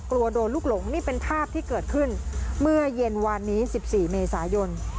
กลัวโดนลูกหลงนี่เป็นภาพที่เกิดขึ้นเมื่อเย็นวานนี้๑๔เมษายน